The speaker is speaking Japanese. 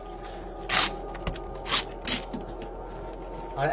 あれ？